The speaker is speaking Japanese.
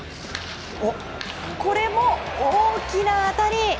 これも大きな当たり！